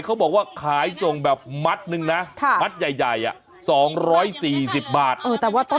เขาบอกว่าขายส่งแบบมัดนึงนะมัดใหญ่อะ